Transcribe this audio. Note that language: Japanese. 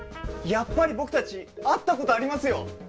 やっぱり僕たち会った事ありますよ！